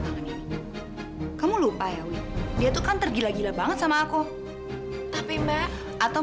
kamu lupa ya wi dia tuh kan tergila gila banget sama aku tapi mbak atau